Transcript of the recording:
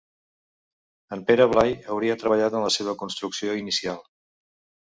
En Pere Blai hauria treballat en la seva construcció inicial.